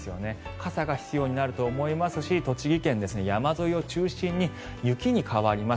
傘が必要になると思いますし栃木県、山沿いを中心に雪に変わります。